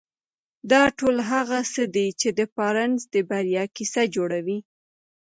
دا ټول هغه څه دي چې د بارنس د بريا کيسه جوړوي.